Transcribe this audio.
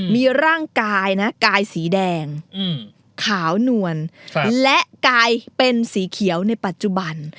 มีร่างกายนะกายสีแดงขาวนวลและกลายเป็นสีเขียวในปัจจุบัน